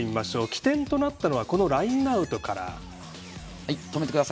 起点となったのはこのラインアウトから。